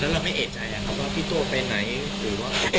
แล้วไม่เอกใจครับว่าพี่โต๊ะไปไหน